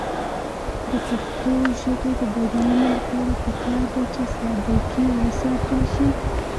د پښتو ژبې د بډاینې لپاره پکار ده چې ساده ګي وساتل شي.